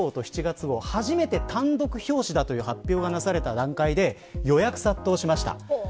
６月号と７月号、初めて単独表紙という発表がなされた段階で予約が殺到しました。